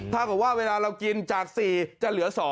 ถ้าเวลาเรากินจาก๔จะเหลือ๒